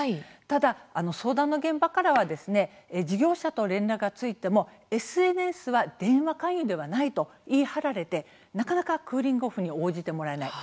ただ、相談の現場からはですね事業者と連絡がついてもＳＮＳは、電話勧誘ではないと言い張られてなかなかクーリング・オフに応じてもらえない。